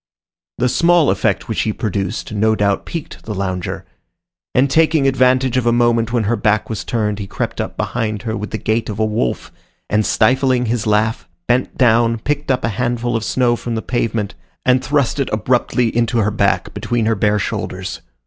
The small effect which he produced no doubt piqued the lounger; and taking advantage of a moment when her back was turned, he crept up behind her with the gait of a wolf, and stifling his laugh, bent down, picked up a handful of snow from the pavement, and thrust it abruptly into her back, between her bare shoulders.